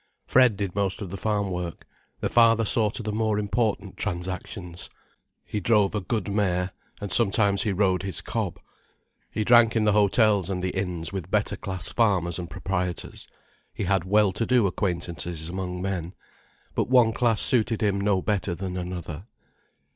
Fred did most of the farm work, the father saw to the more important transactions. He drove a good mare, and sometimes he rode his cob. He drank in the hotels and the inns with better class farmers and proprietors, he had well to do acquaintances among men. But one class suited him no better than another.